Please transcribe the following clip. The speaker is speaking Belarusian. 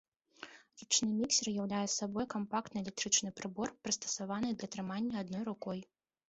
Ручны міксер уяўляе сабой кампактны электрычны прыбор, прыстасаваны для трымання адной рукой.